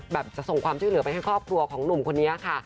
จะส่งความช่วยเหลือไปให้ครอบครัวของหนุ่มคนนี้ค่ะ